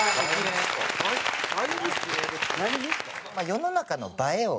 世の中の映えを？